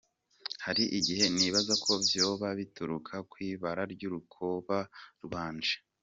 Hari igihe nibaza ko vyoba bituruka kw'ibara ry'urukoba rwanje.